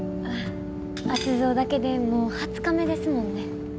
圧造だけでもう２０日目ですもんね。